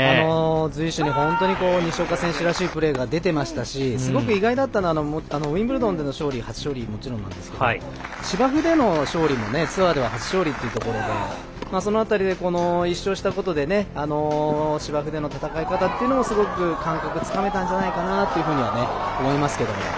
随所に本当に西岡選手らしいプレーが出ていましたしすごく意外だったのはウィンブルドンでの勝利初勝利はもちろんなんですけど芝生での勝利はツアーでは初勝利というところでその辺り、１勝したことで芝生での戦い方というのはすごく感覚つかめたんじゃないかなとは思いますけど。